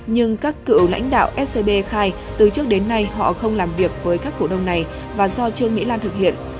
nhưng các cựu lãnh đạo scb khai từ trước đến nay họ không làm việc với các cổ đông này và do trương mỹ lan thực hiện